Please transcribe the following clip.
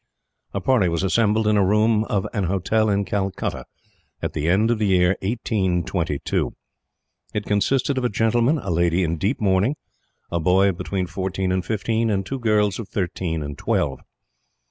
A party was assembled in a room of an hotel in Calcutta, at the end of the year 1822. It consisted of a gentleman, a lady in deep mourning, a boy of between fourteen and fifteen, and two girls of thirteen and twelve.